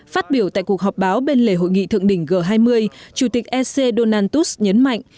phát biểu tại cuộc họp báo bên lề hội nghị thượng đỉnh g hai mươi chủ tịch ec donald tus nhấn mạnh